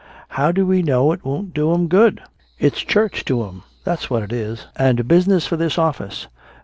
How do we know it won't do 'em good? It's church to 'em, that's what it is and business for this office.